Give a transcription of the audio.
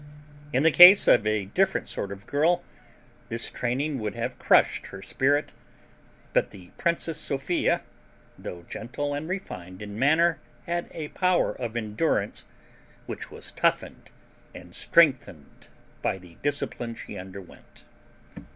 In the case of a different sort of girl this training would have crushed her spirit; but the Princess Sophia, though gentle and refined in manner, had a power of endurance which was toughened and strengthened by the discipline she underwent.